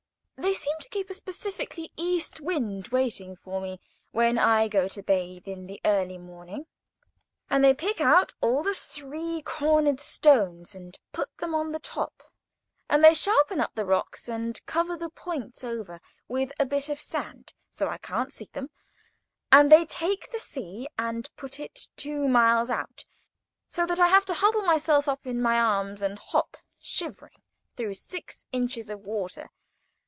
They seem to keep a specially cutting east wind, waiting for me, when I go to bathe in the early morning; and they pick out all the three cornered stones, and put them on the top, and they sharpen up the rocks and cover the points over with a bit of sand so that I can't see them, and they take the sea and put it two miles out, so that I have to huddle myself up in my arms and hop, shivering, through six inches of water.